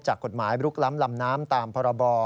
กฎหมายลุกล้ำลำน้ำตามพรบ